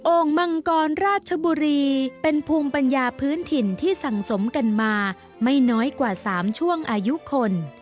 มังกรราชบุรีเป็นภูมิปัญญาพื้นถิ่นที่สั่งสมกันมาไม่น้อยกว่า๓ช่วงอายุคน